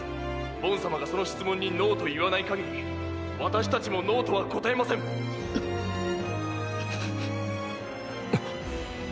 ボン様がその質問にノーと言わない限り私たちもノーとは答えません！！！っ！